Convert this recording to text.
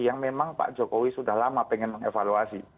yang memang pak jokowi sudah lama pengen mengevaluasi